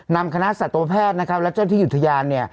นำคณะสัตวแพทย์นะครับและเจ้าที่อุทยานเนี่ย